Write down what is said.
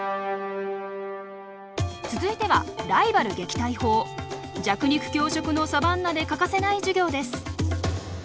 続いては弱肉強食のサバンナで欠かせない授業です。